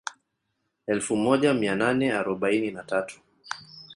Elfu moja mia nane arobaini na tatu